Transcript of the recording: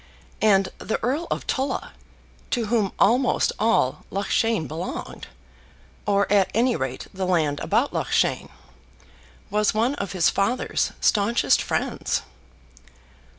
And the Earl of Tulla, to whom almost all Loughshane belonged, or at any rate the land about Loughshane, was one of his father's staunchest friends!